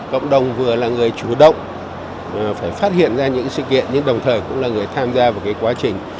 cộng đồng vừa là người chủ động phải phát hiện ra những sự kiện nhưng đồng thời cũng là người tham gia vào quá trình